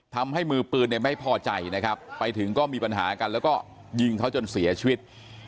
ทำให้มือปืนเนี่ยไม่พอใจนะครับไปถึงก็มีปัญหากันแล้วก็ยิงเขาจนเสียชีวิต